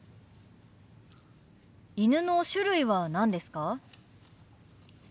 犬の種類は何ですか？